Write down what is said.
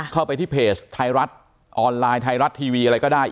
เข้าไปที่เพจไทยรัฐออนไลน์ไทยรัฐทีวีอะไรก็ได้